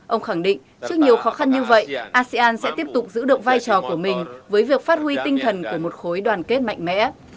ông khẳng định trước nhiều khó khăn như vậy asean sẽ tiếp tục giữ được vai trò của mình với việc phát huy tinh thần của một khối đoàn kết mạnh mẽ